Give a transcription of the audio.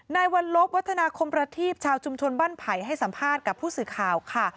วันลบวัฒนาคมประทีปชาวชุมชนบ้านไผ่ให้สัมภาษณ์กับผู้สื่อข่าวค่ะ